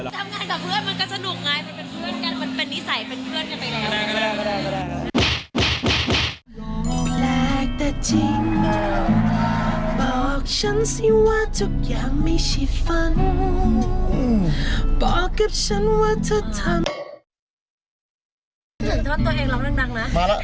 ทำงานกับเพื่อนมันก็สนุกไงมันเป็นนิสัยเป็นเพื่อนกันไปแล้ว